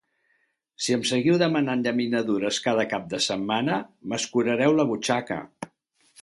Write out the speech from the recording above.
Si em seguiu demanant llaminadures cada cap de setmana, m'escurareu la butxaca.